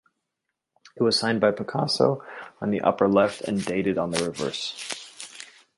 It was signed by Picasso on the upper left and dated on the reverse.